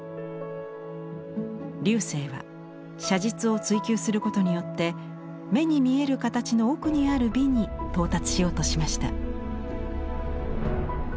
劉生は写実を追求することによって目に見える形の奥にある美に到達しようとしました。